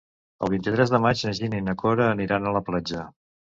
El vint-i-tres de maig na Gina i na Cora aniran a la platja.